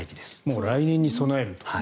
もう来年に備えると。